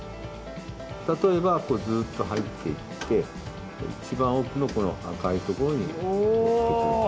例えばずっと入っていって一番奥の赤いところに持っていく。